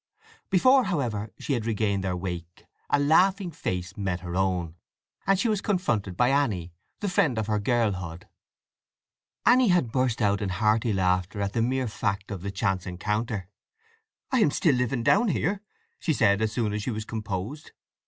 Before, however, she had regained their wake a laughing face met her own, and she was confronted by Anny, the friend of her girlhood. Anny had burst out in hearty laughter at the mere fact of the chance encounter. "I am still living down there," she said, as soon as she was composed.